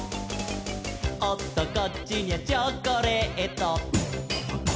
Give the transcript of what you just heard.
「おっとこっちにゃチョコレート」